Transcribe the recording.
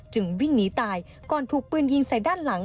วิ่งหนีตายก่อนถูกปืนยิงใส่ด้านหลัง